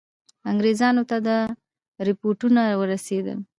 انګرېزانو ته دا رپوټونه ورسېدل.